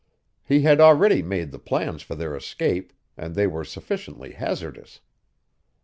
He had already made the plans for their escape and they were sufficiently hazardous.